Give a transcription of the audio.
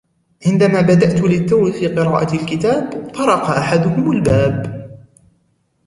عندما بدأت للتو في قراءة الكتاب طرق احدهم الباب.